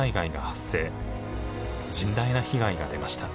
甚大な被害が出ました。